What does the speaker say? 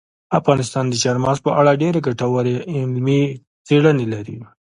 افغانستان د چار مغز په اړه ډېرې ګټورې علمي څېړنې لري.